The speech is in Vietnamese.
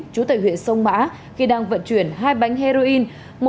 trú tại huyện sông mã khi đang vận chuyển hai bánh heroin